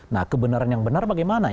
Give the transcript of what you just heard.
nah kebenaran yang benar bagaimana